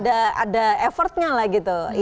ada effortnya lah gitu